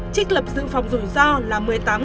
chích lập dự phòng rủi ro là